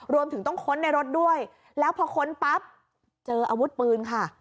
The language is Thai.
รวมถึงต้องค้นในรถด้วยแล้วพอค้นปั๊บเจออาวุธปืนค่ะ